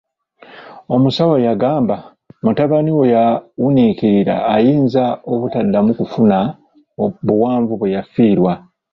Omusawo yagamba; mutabani wo yawuniikirira ayinza obutaddamu kufuna buwanvu bwe yafiirwa.